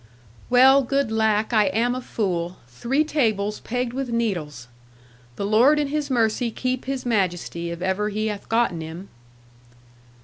'Well, good lack, I am a fool! Three tables pegged with needles! The Lord in His mercy keep His Majesty, if ever He hath gotten him!'